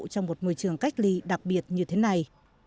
trong một môi trường cách ly đặc biệt như thế này